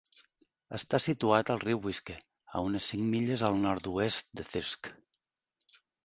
Està situat al riu Wiske, a unes cinc milles al nord-oest de Thirsk.